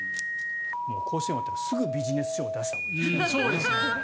甲子園が終わったらすぐビジネス書を出したほうがいい。